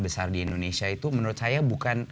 besar di indonesia itu menurut saya bukan